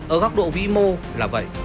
ở góc độ vĩ mô là vậy